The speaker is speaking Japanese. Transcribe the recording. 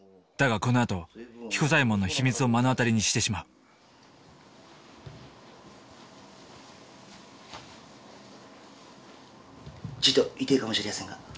だがこのあと彦左衛門の秘密を目の当たりにしてしまうちと痛えかもしれやせんが。